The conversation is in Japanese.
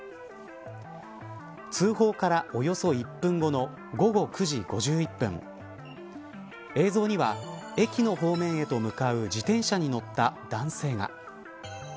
通報からおよそ１分後の午後９時５１分映像には駅の方面へと向かう自転車に乗った男性が。